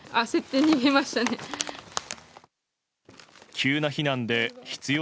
急な避難で必要